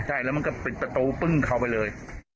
ใช่แล้วมันก็ปิดประตูปึ้งเข้าไปเลย